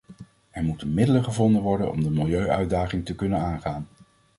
Er moeten middelen gevonden worden om de milieu-uitdaging te kunnen aangaan.